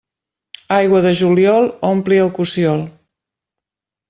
Aigua de juliol ompli el cossiol.